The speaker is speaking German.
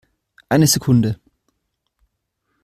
Eine Sekunde!